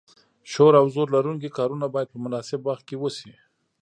شور او زور لرونکي کارونه باید په مناسب وخت کې وشي.